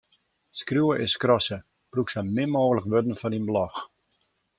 Skriuwe is skrasse: brûk sa min mooglik wurden foar dyn blog.